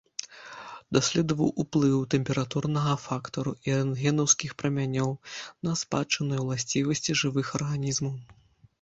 Даследаваў уплыў тэмпературнага фактару і рэнтгенаўскіх прамянёў на спадчынныя ўласцівасці жывых арганізмаў.